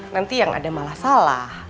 nanti yang ada malah salah